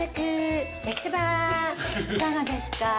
いかがですか？